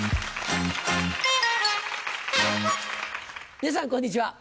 皆さんこんにちは。